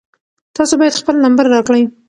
تاسو باید خپل نمبر راکړئ.